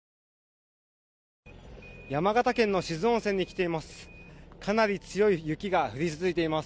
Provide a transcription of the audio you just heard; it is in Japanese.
山形県の志津温泉に来ています。